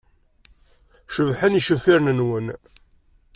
Cebḥen yicenfiren-nwen.